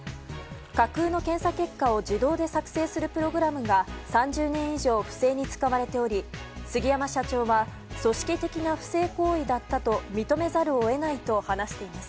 架空の検査結果を自動で作成するプログラムが３０年以上不正に使われており杉山社長は組織的な不正行為だったと認めざるを得ないと話しています。